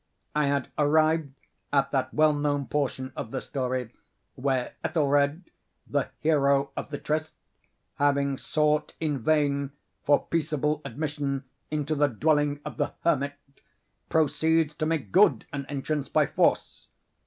I had arrived at that well known portion of the story where Ethelred, the hero of the Trist, having sought in vain for peaceable admission into the dwelling of the hermit, proceeds to make good an entrance by force.